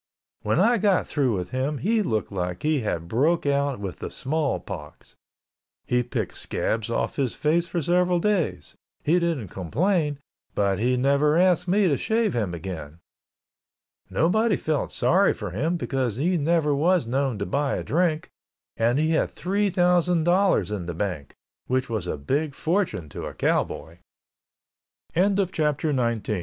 When I got through with him he looked like he had broke out with the small pox. He picked scabs off his face for several days, he didn't complain, but he never asked me to shave him again. Nobody felt sorry for him because he never was known to buy a drink, and he had three thousand dollars in the bank, which was a big fortune to a cowboy. CHAPTER XX COWBOY PHILOSOPHY As